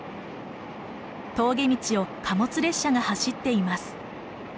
峠道を貨物列車が走っています。